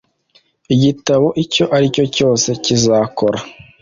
igitabo icyo aricyo cyose kizakora